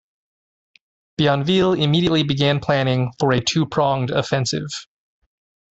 Bienville immediately began planning for a two-pronged offensive.